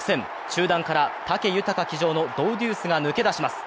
中団から武豊騎乗のドウデュースが抜け出します。